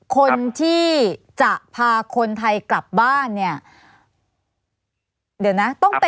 คนที่จะพาคนไทยกลับบ้าน